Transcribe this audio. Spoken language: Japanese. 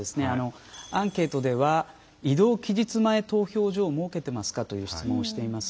アンケートでは移動期日前投票所を設けていますかという質問をしています。